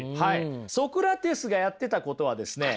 ソクラテスがやってたことはですね